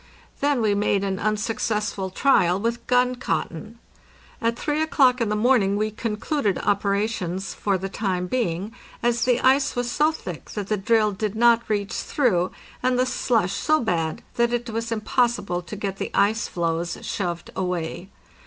Then we made an unsuccessful trial with gun cotton. At 3 o'clock in the morn ing we concluded operations for the time being, as the ice was so thick that the drill did not reach through, and the slush so bad that it was impossible to get the ice floes shoved away.